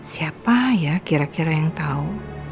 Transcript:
siapa ya kira kira yang tahu